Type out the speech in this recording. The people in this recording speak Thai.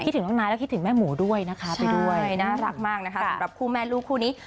ถึงน้องน้าแล้วคิดถึงแม่หมูด้วยนะคะไปด้วยใช่น่ารักมากนะคะสำหรับคู่แม่ลูกคู่นี้